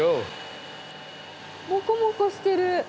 もこもこしてる！